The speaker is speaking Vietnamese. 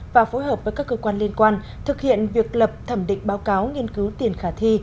và phối hợp với các cơ quan liên quan thực hiện việc lập thẩm định báo cáo nghiên cứu tiền khả thi